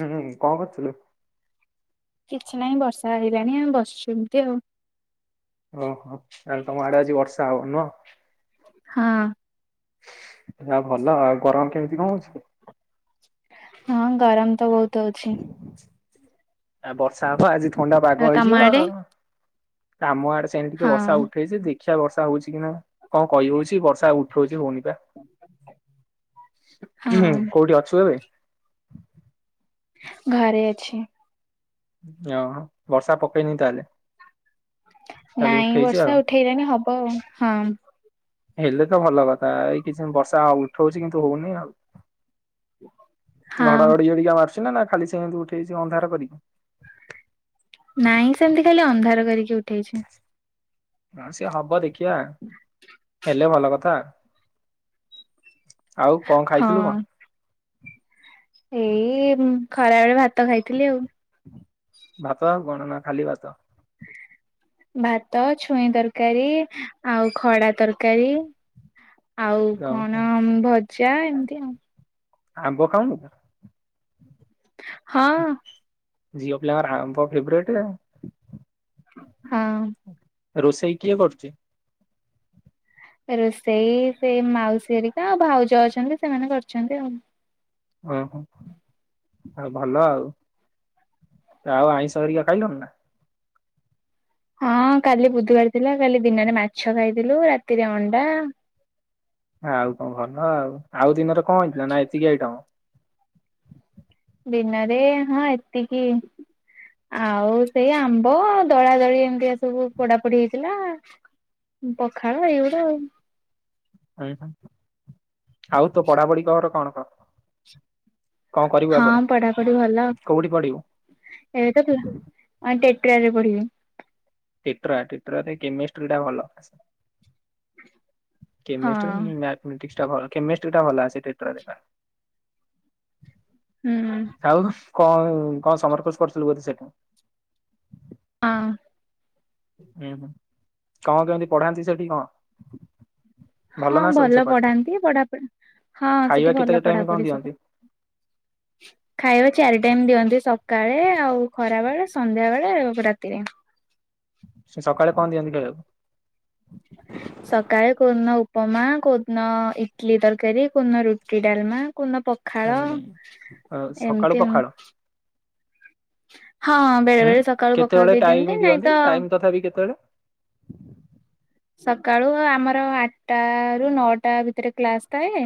ହୁଁ କଣ କରଥିଲଥିଲୁ କିଛି ନାହିଁ ବର୍ଷା ହେଇଲାଣି ଆମେ ବସିଛୁ ଏମିତି ଆଉ ଓହୋ ଆଲେ ତମ ଆଡେ ଆଜି ବର୍ଷା ହବ ନୁହ, ହଁ। ଏ ଭଲ ଆଉ ଗରମ କେମିତି କଣ ଅଛି? ହଁ ଗରମ ତ ବହୁତ ଅଛି ଆ ବର୍ଷା ହବ ଆଜି ଥଣ୍ଡା ଆଉ ପାଗ ତମ ହେଇଯିବ ଆଡେ? ଆଉ କାମ ସେମି ଟିକେ ହଁ ବର୍ଷା ଉଠେଇଛି ଶିଆ ବର୍ଷା ହଉଛି କି ନା କଣ କହି ହଉଛି ବର୍ଷା ଉଠଉଛି ହଉନି। ହଁ କୋଉଠି ଅଛୁ ଏବେ। ଘରେ ଅଛି ଓ ବର୍ଷା ପକେଇନି ତାହେଲେ ଖାଲି ନାଇଁ ଉଠେଇଛି ଆଉ। ବର୍ଷା ଉଠେଇଲାଣି ହବ ଆଉ ହଁ ହେଲେ ତ ଭଲ କଥା ଏଇ କିଛି ଦ ବର୍ଷା ଉଠଉଛି କିନ୍ତୁ ହଉନି ଆଉ ହଁ ଘଡ ଘଡି ଯଡି କା ମ ଛି ନା ନା ଖାଲି ସେମିତି ଉଠେଇଛି ଅନ୍ଧାର କରିକି। ଉଠାଇଛ। ଆ ସେ ହାବ ଦେଖି ଖିଆ ହେଲେ ଭଲ କଥା ଆଉ କଣ ହଁ ଖାଇଥିଲୁ କଣ? ଏଇ ଖରା ବେଳେ ଭାତ ତ ଖାଇଥିଲି ଆଉ। ଭାତ ଆଉ କଣ ନା ଖାଲି ଭାତ। ଭାତ ଛୁଇଁ ତରକାରୀ ଆଉ ଖଡା ତରକାରୀ ଆଉ ଓହୋ। କଣ ଭ ଯା ଏମିତି ଆଉ। ଆମ୍ୱ ଖାଉନୁ ତୁ ହଁ। ଝିଅ ପିଲାଙ୍କର ଆମ୍ୱ ଫେବେରେଟ ଆ ହଁ ରୋଷେଇ କିଏ କରୁଛି? ରୋଷେଇ ସେଇ ମାଉସୀରିକା ଆଉ ଭାଉଜ ଅଛନ୍ତି ସେମାନେ କରିଛନ୍ତି ଆଉ। ଓହୋ ଆଉ ଭଲ ଆଉ ଆଉ ଆଇଁଷ ହରିକା ଖାଇଲୁଣି ନା। ହଁ କାଲି ବୁଧବାର ଥିଲା କାଲି ଦିନରେ ମାଛ ଖାଇଥିଲୁ ରାତିରେ ଅଣ୍ଡା [inaudible] ଆଉ କଣ ଭଲ ଆଉ ଆଉ ଦିନରେ କଣ ହେଇଥିଲା, ନା ଏତିକି ଆଇଟମ? [inaudible] ଦିନରେ ହଁ ଏତିକି [inaudible] ଆଉ ସେଇ ଆମ୍ବ ଦଳା ଦଳି ଏମିତିଆ ସବୁ ପୋଡାପୋଡି ହେଇଥିଲା [inaudible] ପଖାଳ ଏଇଗୁଡା ଆଉ। ହୁଁ ହଁ [inaudible] ଆଉ ତୋ ପଢାପଢି ଖବର କଣ କ ହଁ ପଢାପଢି ଭଲ କୋଉଠି ପଢିବୁ? ଏବେ [inaudible] ତ ରେ ପଢିବି। ଟେଟ୍ରା ଟେଟ୍ରାରେ କେମିଷ୍ଟ୍ରିଟା ଭଲ। [inaudible] କେମେଷ୍ଟ୍ରି ହଁ ମ୍ୟାଥମେଟିକ୍ସ। ଭଲ କେମିଷ୍ଟି ଟା ଭଲ ସେ ଟେଟ୍ରାରେ ଦେଖ। ହୁଁ। କଣ କଣ ସମରକୋଶ କରୁଥିଲୁ ବୋଧେ ସେଇଠ ହଁ [inaudible] ହୁଁ ହୁଁ କଣ କେମିତି ପଢାନ୍ତି ସେଠି କଣ? [inaudible] ହଁ ନା ସବୁ ଭଲ ସେପଟେ? ପଢାନ୍ତି, ହଁ ଖାଇବା ସେଠି କେତେ ଭଲ ଟାଇମ କଣ ପଢାପଢି [inaudible] ଦିଅନ୍ତି? ସବୁ ଖାଇବା ଚାରି ଟାଇମ ଦିଅନ୍ତି ସ ସକାଳେ ଆଉ ଖରା ବେଳେ ସନ୍ଧ୍ୟା ବେଳେ ରାତିରେ। ସେ ସକାଳେ କଣ ଦିଅନ୍ତି ଖାଇବାକୁ? ସକାଳେ କୋଉଦିନ ଉପମା କୋଉଦିନ ଇଟଲି ତରକାରୀ କୋଉିନ ରୁଟି ଡାଲମା କୁନା ପଖାଳ ମାନେ [inaudible] ସକାଳୁ ଏମିତି ଆଉ ପଖାଳ [inaudible] ହଁ ବେଳେ ହୁଁ ବେଳେ ସକାଳୁ ପଖାଳ କେତେବେଳେ ଟାଇମ ଦେଇଦିଅନ୍ତି ନାଇଁ ଦିଅନ୍ତି ତ ଟାଇମ ତଥାପି କେତେବେଳେ ସକାଳୁ ଆମର ଆଠଟା ରୁ ନଅଟା ଭିତରେ କ୍ଲାସ ଥାଏ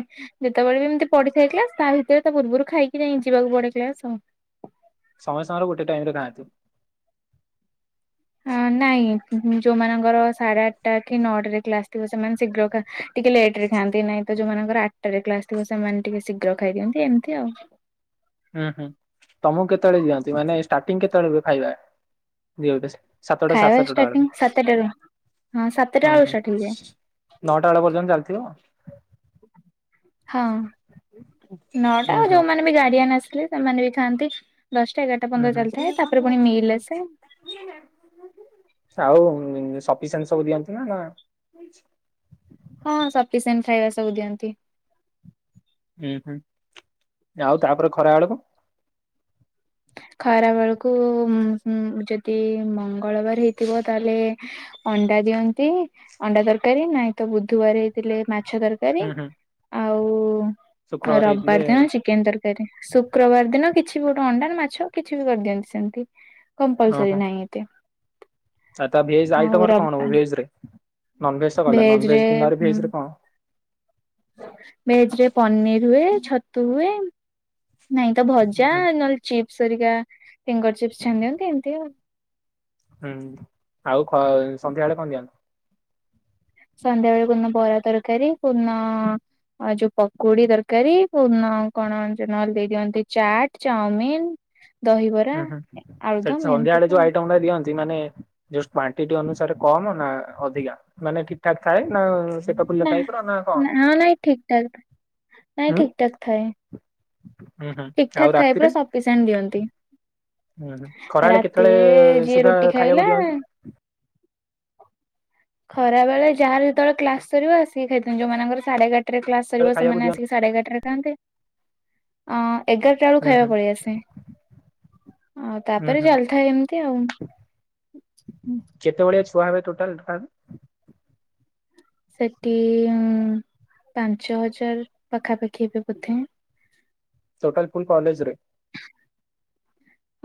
ଯେତେବେଳେ ବି ଏମିତି ପଢିଥାଏ କ୍ଲାସ ତା ଭିତରେ ପୂର୍ବରୁ ଖାଇକି ଯାଇ ଯିବାକୁ ପଡେ କ୍ଲାସ ଆଉ। ସମୟ ସମୟରେ ଗୋଟେ ଟାଇମ ରେ ଖାଆନ୍ତି। [inaudible] ହଁ ନାଇଁ। ଉହୁଂ ଯୋଉମାନଙ୍କର ସାଢେ ଆଠଟା କି ନଅଟରେ କ୍ଲାସ ଥିବ ସେମାନେ ଶୀଘ୍ର ଖ ଟିକେ ଲେଟରେ ଖାଆନ୍ତି ନାଇଁ ତ ଯୋଉମାନଙ୍କର ଆଠଟରେ କ୍ଲାସ ଥିବ ସେମାନେ ଟିକେ ଶୀଘ୍ର ଖାଇ ଦିଅନ୍ତି ଏମିତି ଆଉ। ହୁଁ ହୁଁ ତମକୁ କେତେବେଳେ ଦିଅନ୍ତି, ମାନେ ଷ୍ଟାର୍ଟିଂ କେତେବେଳେ ଖାଇବା [unintelligible] ସାତଟା ସାଢେ ଖାଇବା ସାତଟା ଷ୍ଟାର୍ଟିଂ ବେଳକୁ ସାତଟାରୁ ହଁ [inaudible] ସାତଟା ହୁଁ ବେଳୁ ହୁଁ ଷ୍ଟାର୍ଟ ହେଇଯାଏ। ନଅଟା ବେଳ ପର୍ଯ୍ୟନ୍ତ ଚାଲିଥିବ। [inaudible] ହଁ [inaudible] ନଅଟା ହୁଁ ଆ ହୁଁ ଯୋଉମାନୋନ ବି ଗାଡିଆନ୍ ଆସି ହୁଁ ସେମାନେ ବି ଖଥାଆନ୍ତି। ହୁଁ ହ। ଆସେ। [unintelligible] ଆଉ ସଫିସେଣ୍ଟ ସବୁ ଦିଅନ୍ତୁ ନା [inaudible] ହଁ ସଫିସେଣ୍ଟ ଖାଇବା ସବୁ ଦିଅନ୍ତି। [inaudible] ଉହୁଁ [inaudible] ଆଉ ତାପରେ ଖରା ବେଳକୁ। ଖରା ବେଳକୁ ଉହୁଁ ଯଦି ମଙ୍ଗଳବାର ହେଇଥିବ ତାହେଲେ ଅଣ୍ଡା ଦିଅନ୍ତି, ଅଣ୍ଡା ତରକାରୀ ନାଇଁ ତ ବୁଧବାର ହେଇଥିଲେ ମା ମାଛ ତରକାରି ହୁଁ ହୁଁ ଆ ଆଉ ଶୁକ୍ରବାର ହେଇଥିଲେ ରବିବାର ଦିନ ଚିକେନ ତରକାରୀ ଶୁକ୍ରବାର ଦିନ କିଛି ଗୋଟ ଅଣ୍ଡା ମାଛ କିଛି ବି କରିଦିଅନ୍ତି ସେମତି। ଓହୋ [inaudible] ଆ ତା ଭେଜ ଆଉ ଆଇଟମରେ କଣ, ହୁଏ ରବିବାର ଭେଜରେ? ନନଭେଜ୍ ତ ଗଲା ଭେଜ ନନଭେଜ୍ ଦିନରେ ରେ ଭେଜରେ କଣ? ଭେଜ ରେ ପନିର ହୁଏ ଛତୁ ହୁଏ। ନାଇଁ ତ ହୁଁ ଭଜା ହୁଁ ନହେଲେ ଚିପ୍ ସରିକା ଫିଙ୍ଗର ଚିପ୍ସ ଛାଣିଦିଅନ୍ତି ଏମତି ଆଉ। ହୁଁ, ଆଉ ଖରା ସନ୍ଧ୍ୟାବେଳେ କଣ ଦିଅନ୍ତି? ସନ୍ଧ୍ୟା ବେଳେ କଉ ଦିନ ବରା ତରକାରୀ, କଉ ଦିନ ଯୋଉ ପକୁଡି ତରକାରୀ, କଉ ଦିନ କଣ ଯ ନହେଲେ ଦେଇଦିଅନ୍ତି ଚାଟ୍ ଚାଉମିିନ୍। ହୁଁହୁଁହୁଁ ସେଠି ସନ୍ଧ୍ୟା ଆଡେ ଯୋଉ ସବୁ ଆଇଟମଟା ଦିଅନ୍ତି ମାନେ ଜଷ୍ଟ୍ [unintelligible] ସେଠି ଅନୁସାରେ କମ୍ ନା ଅଧିକା ମାନେ ଠିକଠାକ୍ ଥାଏ ନା ପେଟ ଫୁଲ ନାଁ, ଟାଇପ ର କଣ? ନା ନାଇଁ ଠିକଠାକ୍ ଥାଏ ନାଇଁ ହୁଁ ଠିକଠାକ୍ ଥାଏ। ହୁଁ ହୁଁ ଠିକ ଠାକ୍ ଥାଏ ପୁରା ସଫିସିଏଣ୍ଟ୍ ଦିଅନ୍ତି। ଉହୁଁ ଖରାବେଳେ ରାତିରେ କେତେବେଳେ ଯିଏ ସୁଦ୍ଧା ରୁଟି ଖାଇବାକୁ ଖାଇଲା ଦିଅନ୍ତି? ଖରା ବେଳେ ଯାହାର ଯେତେବେଳେ କ୍ଲାସ ସରିବ ଆସିକି ଖାଇଥାନ୍ତି ଯୋଉ ମାନଙ୍କର ସାଢେ ଏଗାର ରେ କ୍ଲାସ କରିବ କେତେବେଳେ ଖାଇବାକୁ ସେମାନେ ଦିଅନ୍ତି? ଆସିକି ସାଢେ ଏଗାରଟରେ [unintelligible] ଅଁ ଅଁ ଏଗାରଟା ବେଳକୁ ହୁଁ ଖାଇବା ହୁଁ ପଳେଇ ଆସେ ଆଉ ହୁଁ ତାପରେ ହୁଁ ଚାଲିଥାଏ ଏମିତି ଆଉ। [unintelligible] ଟୋଟାଲ୍ ଟୋଟାଲ୍ ସେଠିଇଇ ଉଁଉ ପାଞ୍ଚ ହଜାର ପାଖାପାଖି ହେବେ ବୋଧେ ଟୋଟାଲ ଫୁଲ୍ କଲେଜରେ।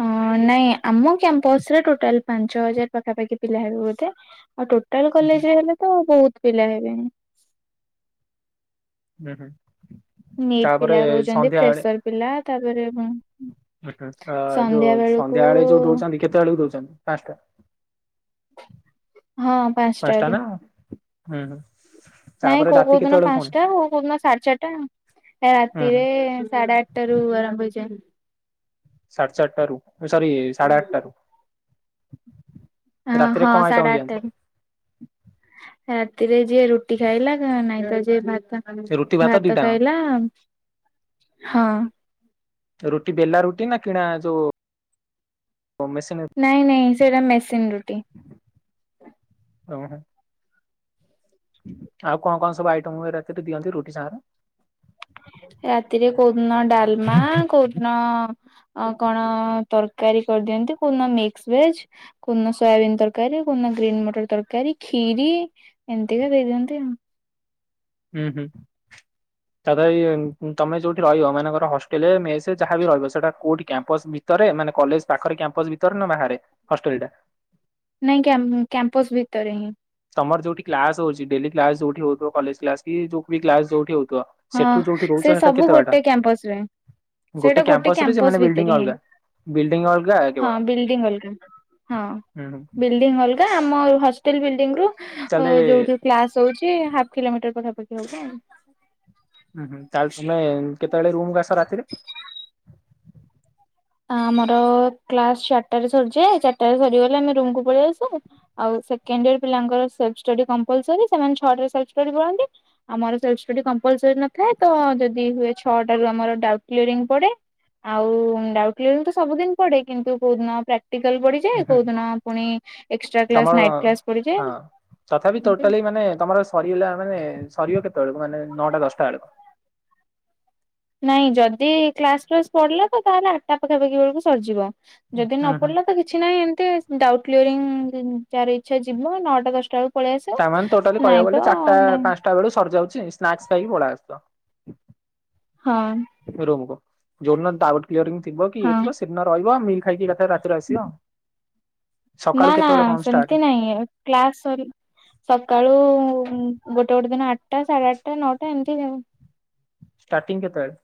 ହଁ ନାଇଁ ଆମ କ୍ୟାମ୍ପସରେ ଟୋଟାଲ୍ ପାଞ୍ଚ ହଜାର୍ ପାଖାପାଖି ପିଲା ହେବେ ବୋଧେ। ଆଉ ଟୋଟାଲ ହୁଁ କଲେଜରେ ହେଲେ ତ ବହୁତ୍। ପିଲା ହେବେଣି। ହୁଁହୁଁ। ନିଟ୍ ପିଲା ରହୁଛନ୍ତି ଫ୍ରେସର ପିଲା ତାପରେ ଉଁ ଉଁ ହୁଁ ହୁଁ ଅ ଯୋଉ ସନ୍ଧ୍ୟା ବେଳକୁ ସନ୍ଧ୍ୟାବେଳେ ଯୋଉ ଦଉଛନ୍ତି କେତେବେଳକୁ ଦଉଛନ୍ତି ପାଞ୍ଚଟା ହଁ ପାଞ୍ଚଟା ପାଞ୍ଚଟାରୁ। ନା ହୁଁ ହୁଁ। ନାଇଁ ତାପରେ କୋଉ ରାତି କୋଉ ଦିନ କେତେବେଳକୁ ପୁଣି? ପାଞ୍ଚଟା କୋଉ କୋଉଦିନ ସାଢେ ଚାରିଟା [inaudible] ହୁଁ ହୁଁ ରାତିରେ ସାଢେ ଆଠଟାରୁ ଆରମ୍ଭ ହେଇଯାଏ। ସାଢ଼େ ଚାରିଟାରୁ। ଓ ସରି ସାଢ଼େ ଆଠଟାରୁ। ହ ରାତିରେ ହଁ କଣ ଆଇଟମ ସାଢ଼େ ଦିଅନ୍ତି ଆଠଟାରେ। ରାତିରେ ଯିଏ ରୁଟି ଖାଇଲା ନାଇଁ ତ ଯିଏ ଭାତ୍। ରୁଟି ଭାତ ଦିଟାଙ୍କ ଖାଇଲା ହଁ ରୁଟି ବେଲା ରୁଟି ନା କିଣା ଯଉ ନାଇଁ ନାଇଁ ସେଟା ମେସିନ୍ ରୁଟି। ହଉ ଆଉ କଣ କଣ ସବୁ ଆଇଟମ ରାତିରେ ଦିଅନ୍ତି ରୁଟି ସାଙ୍ଗରେ? ରାତିରେ କୋଉଦିନ ଡାଲମା କୋଉଦିନ କଣ ତରକାରୀ କରିଦିଅନ୍ତି କୋଉଦିନ ମିକ୍ସ ଭେଜ କୋଉଦିନ ସୋୟାବିନ୍ ତରକାରୀ କୋଉଦିନ ଗ୍ରୀନ୍ ମଟର ତରକାରୀ ଖିରି ଏମିତିକା ଦେଇଦିଅନ୍ତି ଆଉ ହୁଁ ହୁଁ ତାପରେ ତମେ ଯୋଉଠି ରହିବ ମନେକର ହଷ୍ଟେଲରେ ମେଷରେ ଯାହାବି ରହିବ ସେଟା କୋଉଠି କ୍ୟାମ୍ପସ ଭିତରେ ମାନେ କଲେଜ ପାଖରେ କ୍ୟାମ୍ପସ ଭିତରେ ନା ବାହାରେ ହଷ୍ଟେଲଟା? ନାଇଁ କ୍ୟାମ କ୍ୟାମ୍ପସ ଭିତରେ ହିଁ। ତମର ଯୋଉଠି କ୍ଲାସ ହଉଛି ଡେଲି କ୍ଲାସ ଯୋଉଠି ହଉଥିବ କଲେଜ କ୍ଲାସ କି ଯୋଉ ବି କ୍ଲାସ ଯଉଠି ହଉଥିବ ହଁ ସେଠୁ ଯୋଉଠି ରହୁଛ ସେ ସେଟା ସବୁ କେତେ ବାଟ ଗୋଟେ କ୍ୟାମ୍ପସ ରେ ସେଇଟା ଗୋଟେ ରେ ସେମାନେ କ୍ୟାମ୍ପସ ବିଲ୍ଡିଂ ଭିତରେ ହିଁ ଅଲଗା ବିଲ୍ଡିଂ ଅଲଗା ହଁ କେବଳ ବିଲ୍ଡିଂ ଅଲଗା ହଁ ହୁଁ ବିଲ୍ଡିଂ ଅଲଗା ଆମ ର ଷ୍ଟେଲ ବିଲ୍ଡିଂ ରୁ ଓ ତାହେଲେ ଯୋଉଠି କ୍ଲାସ ହଉଛି ହାଫ୍ କିଲୋମିଟର ପାଖାପାଖି ହବ ଆଉ ହୁଁ ହୁଁ ତାହେଲେତମେ କେତେବେଳେ ରୁମକୁ ଆସ ରାତିରେ? ଆମର କ୍ଲାସ ଚାରିଟା ରେ ସରିଯାଏ। ଚାରିଟା ରେ ସରିଗଲେ ଆମେ ରୁମକୁ ପଳେଇ ଆସୁ ଆଉ ସେକେଣ୍ଡିଅର ପିଲାଙ୍କର ସେଲ୍ଫ ଷ୍ଟଡି କମ୍ପଲସରୀ ସେମାନେ ଛଅଟାରେ ସେଲ୍ଫ ଷ୍ଟଡି କରନ୍ତି। ଆମର ସେଲ୍ଫ ଷ୍ଟଡି କମ୍ପଲସରୀ ନଥାଏ। ତ ଯଦି ହୁଏ ଛଅଟାରୁ ଆମର ଡାଉଟ କ୍ଳିଅରିଙ୍ଗ ପଡେ ଆଉ ଉଁ ଫିଲ୍ଡ ସବୁଦିନ ପଡେ କିନ୍ତୁ କଉଦିନ ପ୍ରା ହଁ ହୁଁ ଏକ୍ସଟ୍ରା କ୍ଲାସ ତମର ନାଇଟ୍ କ୍ଲାସ ପଡିଯାଏ ହଁ ତଥାପି ଏମିତି। ଟୋଟାଲି ମାନେ ତମର ସରିଗଲା ମାନେ ସରିବ କେତେବେଳକୁ ମାନେ ନଅଟା ଦଶଟା ବେଳକୁ ନାଇଁ ଯଦି କ୍ଲାସ ଫ୍ଲାସ ପଡିଲା ତ ତାହେଲେ ଆଠଟା ପାଖାପାଖି ବେଳକୁ ସରିଯିବ। ଯଦି ନ ହୁଁ ହୁଁ ପଡିଲା ତ କିଛି ନାଇଁ ଏମିତି ଡାଉଟ୍ କ୍ଲିୟରିଂ ଯାର ଇଚ୍ଛା ଯିବ ନଅଟା ଦଶଟା ବେଳ ତାମାନେ ଟୋଟାଲି କହିବାକୁ ଗଲେ ଚାରିଟା ନାଇଁ ପାଞ୍ଚଟା ବେଳକୁ ସରିଯାଉଛି। ସ୍ନାକ୍ସ ଖାଇକି ପଳିଆସିବ ହଁ ରୋମ କୁ ଯୋଉ ଦିନ ଦାଉ ପିଅରିଙ୍ଗ ଥିବ କି ଇଏ ହଁ ଥିବ ସେ ଦିନ ର ଥିବ ମିିଲ୍ ଖାଇକି? ସେ ରାତିରେ ଆସିବ ନା ସକାଳୁ ନା କେତେବେଳେ କଣ ଷ୍ଟାର୍ଟ ସେମିତି ନାହିଁ କ୍ଲାସ ସରି ସକାଳୁ ହୁଁ ଗୋଟେ ଗୋଟେ ଦିନ ଆଠଟା ସାଢେ ଆଠଟା ନଅଟା ଏମିତି ଆଉ ଷ୍ଟାର୍ଟିଂ କେତେବେଳେ?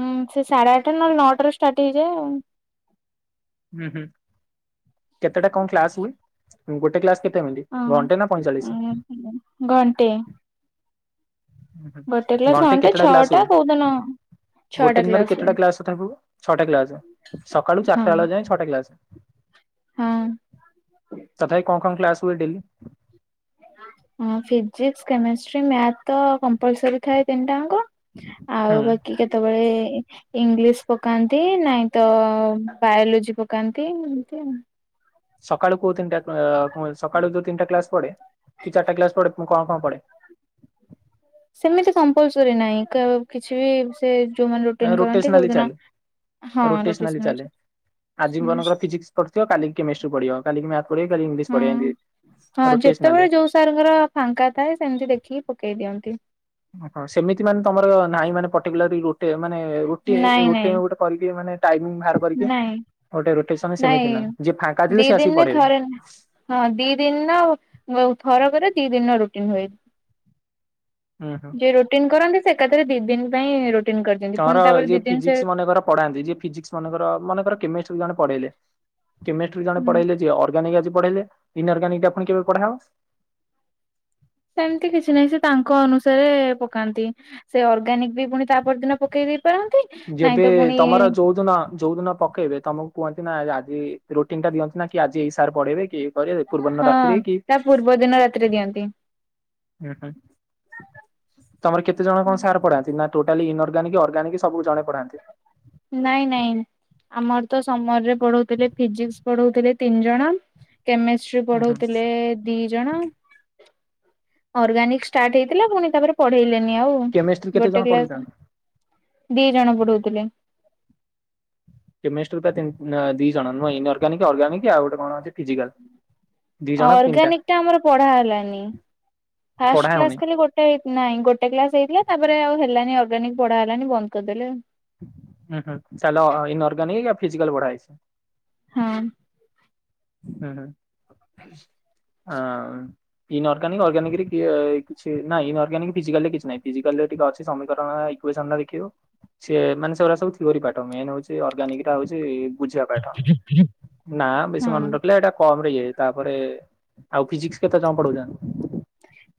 ହୁଁ ସେ ସାଢେ ଆଠଟା ନହେଲେ ନଅଟା ରୁ ଷ୍ଟାର୍ଟ ହେଇ ଯାଏ। ହୁଁ ହୁଁ କେତେଟା କଣ କ୍ଲାସ ହୁଏ? ଗୋଟ କ୍ଲାସ କେ ହଁ ଘଣ୍ଟେ ଉ ହୁଁ ଗୋଟେ କ୍ଲାସ ଘଣ୍ଟେ କେତେଟା କ୍ଲାସ ଛଅଟା କୋଉଦିନ ହୁଏ ଛଅଟା ଗୋଟେ ଦିନରେ କ୍ଲାସ ହୁଏ କେତେଟା କ୍ଲାସ ତଥାପି ହୁଏ ଛଅଟା କ୍ଲାସ ସକାଳୁ ହଁ ଚାରିଟା ବେଳ ଯାଏ ଛଅଟା କ୍ଲାସ ହଁ। ତଥାପ କଣ କଣ?? କ୍ଲାସ ହୁଏ ଡେଲି ହଁ ଫିଜିକ୍ସ କେମେଷ୍ଟ୍ରି ମ୍ୟାଥ ତ କମ୍ପଲସରୀ ଥାଏ ତିନିଟା ଅଙ୍କ ହୁଁ ଆଉ ବାକି କେତେବେଳେ ଇଂଲିଶ ପକାନ୍ତି ନାଇଁ ତ ବାୟୋଲୋଜି ପକାନ୍ତି ଏମତି ସକାଳୁ କୋହୁ ତିନିଟା ହଁ ସକାଳୁ ଯୋଉ ତିନଟା କ୍ଲାସ ପଡେ କି ଚାରିଟା କ୍ଲାସ ପଡେ କଣ କଣ ପାଡେ ସେମିତି କମ୍ପଲସରି ନହିଁ କିଛି ବି ସେ। ଯୋଉମାନେ ରୋଟିନ କରନ୍ତି କୋଉ ରୋଟେସନାଲି ଦିନ ଚାଲେ ହଁ ରୋଟେସନାଲି ରୋଟେସନାଲ ଚାଲେ ଆଜି ମନଙ୍କର ଫିଜିକ୍ସ ପଡି ଥିବ କାଲି କେମିଷ୍ଟ୍ରି ପଡିବ। କାଲିି କି ମାଥ୍ ହଁ ହଁ ରୋଟେସନାଲି। ଯେତେବେଳେ ଯୋଉ ସାର ଫାଙ୍କା ଥାଏ ସେମିତି ଦେଖିକି ପକେଇ ଦିଅନ୍ତି। ଓ ହ ସେମିତି ମାନେ ତମର ନାହିଁ ମାନେ ପର୍ଟିକୁଲାରି ଗୋଟେ ମାନେ ରୁଟି ଏ ନାଇଁ ରୁଟି ଏ ନାଇଁ ଗୋଟେ କରିକି ମାନେ ଟାଇମିଂ ବାହାର କରିକି ନାଇଁ ଗୋଟେ ରୋଟେସନ ସେମିତି ନାହିଁ ଯିଏ ଫାଙ୍କା ନାଇଁ ଥିଲେ ଦି ସେ ଆସିକି ଦିନରେ ପଢେଇବେ। ଥରେ ହଁ ଦି ଦିନ ଥର କରେ ଦି ଦିନ ରୂପ ଏ ଭାଇ ହୁଁ ହୁଁ। ଯେ ରୁଟିନ୍ କରନ୍ତି ସେ ଏକା ଥାରେ ଦି ଦିନ ପାଇଁ ରୁଟି ତର ଯିଏ ଫିଜିକ୍ସ ମାନକର ପଢାନ୍ତି ଯିଏ ଫିଜିକ୍ସ ମାନକର ମନେକର କେମିଷ୍ଟ୍ରି ରୁ ଜଣେ ପଢେଇଲେ କେମିଷ୍ଟ୍ରି ଜଣେ ହୁଁ ପଢେଇାଇଲେ ଯେ ଅର୍ଗାନିକ ଅଛି, ପଢେଇଲେ କେବେ ପଢାବ ସେମିତି କିଛି ନାହିଁ ସେ ତାଙ୍କ ଅନୁସାରେ ପକାନ୍ତି ସେ ଅର୍ଗାନିକ ବି ପୁଣି ତା ପରଦିନ ପକେଇଦି ଯେବେ ତମର ଯୋଉଦିନ ଯୋଉଦିନ ପକେଇବେ ତମକୁ କୁହନ୍ତି ନା ରୁଟିନ ଟା ଦିଅନ୍ତି ନା କି ଆଜି ଏଇ ସାର୍ ପଢେଇବେ କି କରିବେ ପୂର୍ବଦିନ ହଁ ରାତିରେ କି ତା ପୂର୍ବ ଦିନ ରାତିରେ ଦିଅନ୍ତି। ହଁ ହ ତମ କେତେ ଜଣ କଣ ସାର ପଡାନ୍ତି ନା ଟୋଟାଲି ଇଅର୍ଗାନିକ୍ ଅର୍ଗାନିକ ସବୁ ଜଣେଇ ପାରନ୍ତି। ନାଇଁ ନାଇଁ ଆମର ତ ସମରରେ ପଢଉଥିଲେ ଫିଜିକସ ପଢଥିଲେ ତିନି ଜଣ କେମିଷ୍ଟ୍ରି ହୁଁ ହୁଁ ପଢଉଥିଲେ ଦି ଜଣ ଅର୍ଗାନିକ ଷ୍ଟାର୍ଟ ହେଇଥିଲା ପୁଣି ତାପରେ ପଢେଇଲେ ଆଉ କେମିଷ୍ଟ୍ରି କେତେ ଜଣ ଗୋଟେ କ୍ ପଢଉଛନ୍ତି ଦି ଜଣ ପଢଉଥିଲେ। କେମିଷ୍ଟ୍ରିା ଦିଇ ଜଣ ନୁହଁ ଅର୍ଗାନିକ ଅର୍ଗାନିକ୍ ଆଉ ଗୋଟେ କଣ ଅଛି ଫିଜିକାଲ ଦି ଜଣ ତିନିଟା ଗିକାମର ପଢା ହେଲିା୍ ପଢା ଖା ହଉନି। ଗୋଟେ ନାଇ ଗୋଟେ କ୍ସ ହେଇଥିଲା ତାପରେ ଆଉ ହେ ଅର୍ଗାନିକ ପଢା ହେଲାଣି ବନ୍ଦ କରିଦେଲେ ହୁଁ ହଁ ଚାଲ ଇନର୍ଗାନିକ ଫିଜିକଲ ବଢ଼ଏଛ ହଁ ଉଁ ହୁଁ [inaudible] ଇନ ଅର୍ଗାନିକ ଅର୍ଗାନିକରେ କିଛି ନଁ ଇ ଅର୍ଗାନିକିଜିକା କିଛି ନାହିଁ ଫିଜିକାଲରେେ ଅଛି ସମୀକରଣ ଇକୱେନ ଦେଖେଇବ। ସେ ମାନେ ସେଗୁଡା ସବୁ ଥିଓ ପାଠ ମ ହଉଛି ଅର୍ଗାନିକା ହଉଛି ବୁଝିବା ପାଠ [inaudible] ନା ବେସି ହଁ। ମଣ୍ଡ ଏଟା କମରେ ଇଏ ତାପରେ ଆଉ ଫିଜିକସ କେତେ ଜଣ ପଢଉଛ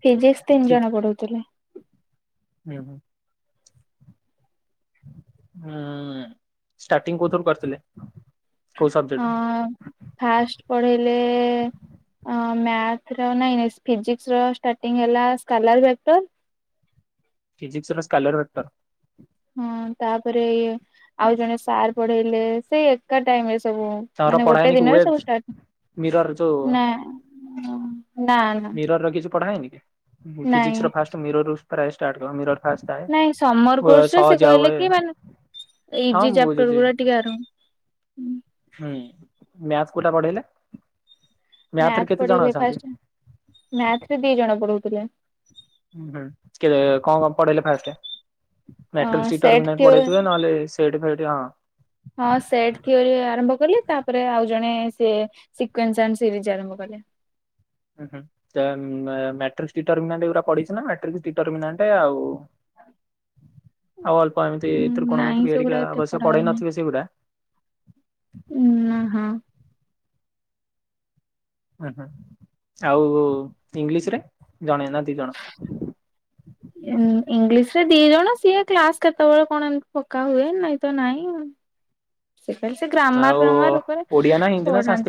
ଫିଜିସ୍ ତିନି ଜଣ ପଢଉଥିଲେ। ହୁଁ ହୁଁ [inaudible] ହୁଁ ଷ୍ଟାର୍ଟିଂ କୋଉ ଥିରୁ କରିଥିଲେ। କୋଉ ହ ସବଜେକ୍ଟରୁ ଫାଷ୍ଟ ପଢେଇଲେ ଅଁ ମ୳୲ଥର ନାଇଁ ଫିଜିକସ ର ର୍ ହେଲା ସ୍ଲାଟର ଚାପଟର ଫିଜିକ୍ସର ସ୍କାଲାର ବାକଟର ହଁ ତାପରେ ଇ ଆଉ ଜଣେ ସାର୍ ପଢେଇଲେ ସେଇ ଏକା ଟାଇମସ ସବୁ ତାଙ୍କର ମାନେ ପଢା ଗୋଟେ ହେଇନି କି ଦିନରେ ୱେଭ୍ସ ସବୁ ଷ୍ଟାଟ ମିରର ଯୋଉ [inaudible] ନାଁ ନାଁ ନାଁ ପଢ଼ାଏ ନିକି ଫିଜିକ୍ସର ଫାଷ୍ଟ ମିରରୁ ପ୍ରାଇସ ଷ୍ଟାଟ କର ମିର ନାଇଁ ସମର କୋର୍ସ ରେ ସେ କହିଲେ ହୁଏ। କି ମାନେ ହଁ ଇଜି ମୁଁ ଚାପଟର ଯଦି ଗୁଡା ଟିକେ ଆର ହୁଁ। ହୁଁ ମ୍ୟାଥ କୋଉଟା ପଢେଇଲ।। ମ୍ୟାଥ ପଢେଇଲେ ଫାଷ୍ଟ ମ୳୲ଥରେ ଦି ଜଣ ପଢଉ ଥିଲେ। ହଁ କିଏ କଣ ପଢେଇଲେ ଫାଷ୍ଟ। ଅ ମେଟ୍ରିକି ସେଟ୍ ସିଟର୍ମିନାଲ ଥିଓ ପଢେଇଥିବେ। ନହେଲେ ସେଟ୍ ଫେଟ ହଁ। ହଁ ସେଟ କିଉ ଆରମ୍ଭ କଲେ ତାପରେ ଆଉ ଜଣେ ସିଏ ସିକୁନ୍ସି ନିଜେ ଆରମ୍ଭ କଲେ। ଉ ହୁ ଯେ ମେ ମାଟ୍ରିକସ୍ ଟିଟର୍ମିନେଟ୍ ଏ ଗୁଡାକ ପଡ଼ିଚିନା। ମେଟ୍ରିକ୍ ଟି ଟର୍ମିନେଟ୍ ଆଉ [inaudible] ଆଉ ଅଳ୍ପ ଏମିତି ନାଇଁ ତ୍ରିକୋଣମିତି ସେଗୁଡା ଏରିକା ଏତେ ଅବଶ୍ୟ ପଢା ପଢେଇ ହେଇନି ନଥିବେ ସେଗୁଡା ଉଁ [inaudible] ହଁ। ଉଁ ହୁଁ ଆଉ ଇଂଲିଶ ରେ ଜଣେ ନା ଦି ଜଣ [inaudible] ଇଁ ଇଂଲିଶ ସେ ଦି ଜଣ ସିଏ କ୍ଲାସ କେତେବେଳେ କଣ ଏମିତି ପକା ହୁଏ ନାଇଁ ତ ନାଇଁ। ସେ ଖାଲି ସେ ଗ୍ରାମାର ଆଉ ଫାମାର ଉପରେ ଓଡିଆ ନା ହିନ୍ଦୀ ନା ପଢା ସଂସ୍କୃତ